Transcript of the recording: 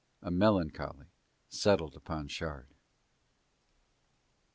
A melancholy settled down on Shard.